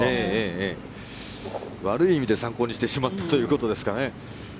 悪い意味で参考にしてしまったということですかね。